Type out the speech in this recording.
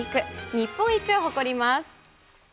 日本一を誇ります。